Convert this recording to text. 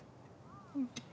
うん。